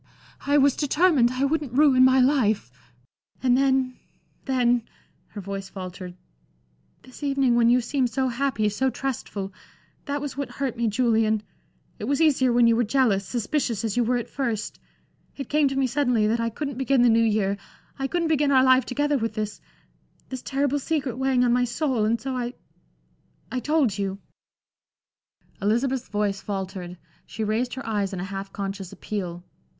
I was determined I wouldn't ruin my life. And then then" her voice faltered "this evening when you seemed so happy, so trustful that was what hurt me, Julian it was easier when you were jealous, suspicious, as you were at first it came to me suddenly that I couldn't begin the New Year I couldn't begin our life together with this this terrible secret weighing on my soul. And so I I told you" Elizabeth's voice faltered, she raised her eyes in a half conscious appeal.